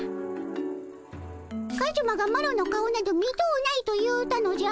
カズマがマロの顔など見とうないと言うたのじゃ。